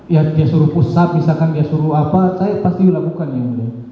ya dia suruh pusat misalkan dia suruh apa saya pasti dilakukan yang mulia